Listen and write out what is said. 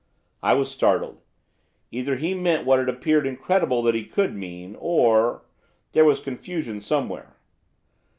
I was startled. Either he meant what it appeared incredible that he could mean, or there was confusion somewhere.